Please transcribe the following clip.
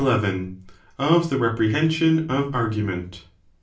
—Of the Reprehension of Argument.